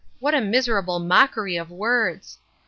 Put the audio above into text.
What a miserable mockery of words